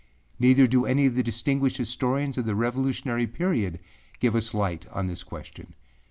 Neither do any of the distinguished historians of the Revolutionary period give us light on this question.